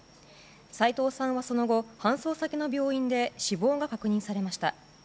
斉藤さんはその後、搬送先の病院で死亡が確認されました。